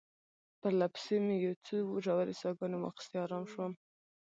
پرله پسې مې یو څو ژورې ساه ګانې واخیستې، آرام شوم.